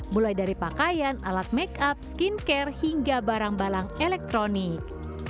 mulai dari pakaian alat make up skincare hingga barang barang elektronik